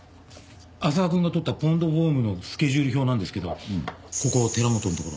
浅輪くんが撮ったポンドホームのスケジュール表なんですけどここ寺本のところ。